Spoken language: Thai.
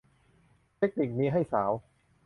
เทคนิคนี้ให้สาว